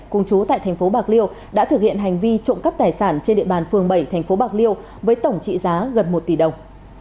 cùng chú tại thành phố bạc liêu đã thực hiện hành vi trộm cắp tài sản trên địa bàn phường bảy thành phố bạc liêu với tổng trị giá gần một tỷ đồng